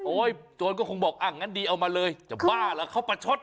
โจรก็คงบอกอ่ะงั้นดีเอามาเลยจะบ้าเหรอเขาประชด